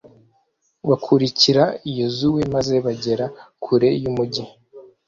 bakurikira yozuwe, maze bagera kure y'umugi